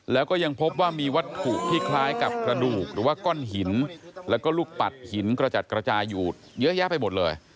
แล้วก็ยังพบว่ามีวัตถุที่คล้ายกับกระดูกหรือว่าก้อนหินแล้วก็ลูกปัดหินกระจัดกระจายอยู่เยอะแยะไปหมดเลย